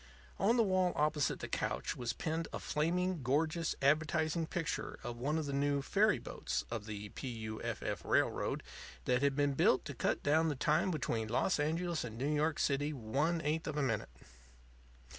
On the wall opposite the couch was pinned a flaming, gorgeous advertising picture of one of the new ferry boats of the P. U. F. F. Railroad that had been built to cut down the time between Los Angeles and New York City one eighth of a minute.